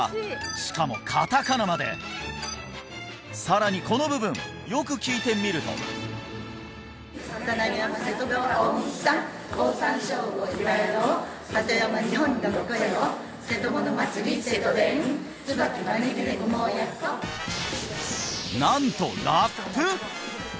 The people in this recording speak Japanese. しかもカタカナまでさらにこの部分よく聴いてみるとなんとラップ？